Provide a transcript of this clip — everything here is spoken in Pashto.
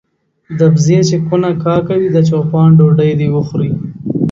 د بزې چې کونه کا کوي د چو پان ډوډۍ دي وخوري.